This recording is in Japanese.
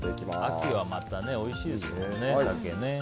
秋はまたおいしいですからね